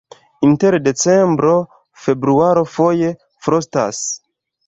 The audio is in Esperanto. Inter decembro-februaro foje frostas.